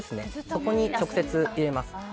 そこに直接入れます。